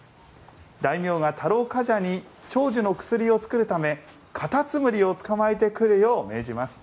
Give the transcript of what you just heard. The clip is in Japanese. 大名が太郎冠者に長寿の薬を作るためカタツムリを捕まえてくるよう命じます。